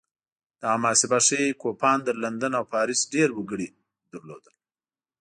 دغه محاسبه ښيي کوپان تر لندن او پاریس ډېر وګړي لرل